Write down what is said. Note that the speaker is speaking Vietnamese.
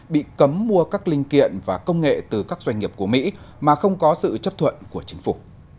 bị cấm mua các linh kiện và công nghệ từ các doanh nghiệp của mỹ mà không có sự chấp thuận của chính phủ